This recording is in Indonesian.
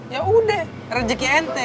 yaudah rejeki ente